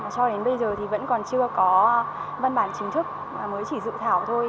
cho đến bây giờ thì vẫn còn chưa có văn bản chính thức mới chỉ dự thảo thôi